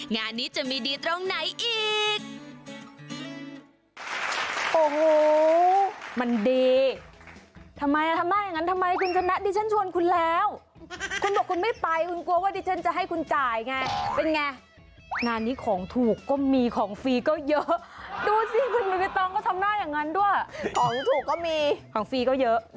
งานนี้จะมีดีตรงไหนอีก